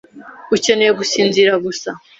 Ukeneye gusinzira gusa.